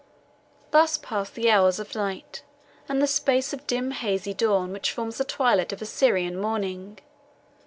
Thus passed the hours of night and the space of dim hazy dawn which forms the twilight of a Syrian morning.